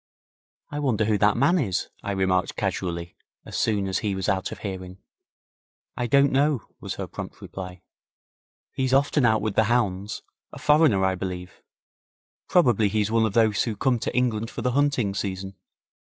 'I wonder who that man is?' I remarked casually, as soon as he was out of hearing. 'I don't know,' was her prompt reply. 'He's often out with the hounds a foreigner, I believe. Probably he's one of those who come to England for the hunting season.